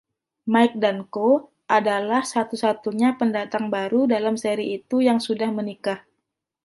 Mike Danko adalah satu-satunya pendatang baru dalam seri itu yang sudah menikah.